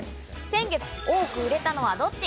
先月多く売れたのはどっち？